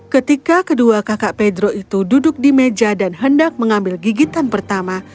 ketika kedua kakak pedro itu duduk di meja dan hendak mengambil gigitan pertama